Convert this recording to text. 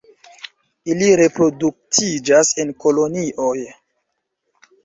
Ili reproduktiĝas en kolonioj.